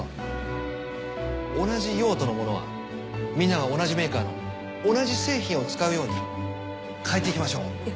同じ用途のものはみんなが同じメーカーの同じ製品を使うように変えていきましょう。